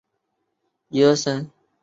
母汪氏。